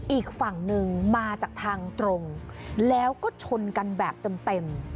อีกฝั่งหนึ่งมาจากทางตรงแล้วก็ชนกันแบบเต็ม